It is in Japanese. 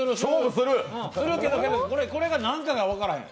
するけど、これが何かが分からへん。